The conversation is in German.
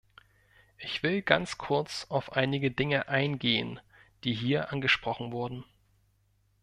Ich will ganz kurz auf einige Dinge eingehen, die hier angesprochen wurden.